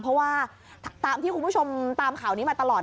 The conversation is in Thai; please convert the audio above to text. เพราะว่าตามที่คุณผู้ชมตามข่าวนี้มาตลอด